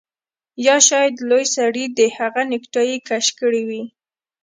یا شاید لوی سړي د هغه نیکټايي کش کړې وي